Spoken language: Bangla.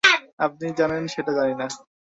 আপনি জানেন সেটা জানিনা।